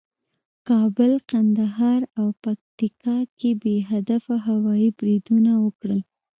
کابل، کندهار او پکتیکا کې بې هدفه هوایي بریدونه وکړل